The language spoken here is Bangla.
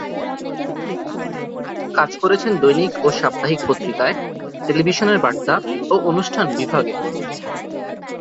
কাজ করেছেন দৈনিক ও সাপ্তাহিক পত্রিকায়, টেলিভিশনের বার্তা ও অনুষ্ঠান বিভাগে।